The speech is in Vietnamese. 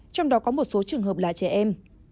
trong đó có một số trường hợp là trẻ em